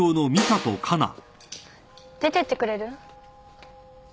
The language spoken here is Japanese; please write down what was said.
出てってくれる？